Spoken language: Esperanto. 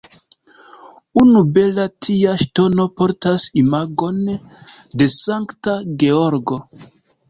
Unu bela tia ŝtono portas imagon de Sankta Georgo.